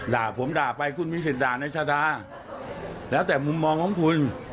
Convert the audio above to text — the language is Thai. ด่าผมด่าไปคุณมิสิจดานัยชะดาแหละแต่มุมมองของคุณ